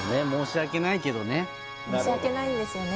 申し訳ないんですよね